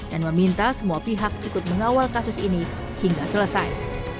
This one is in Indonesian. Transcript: dan meminta semua pihak ikut mengawal kasus ini hingga selesai